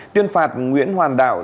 tuyên phạt nguyễn hoàn đạo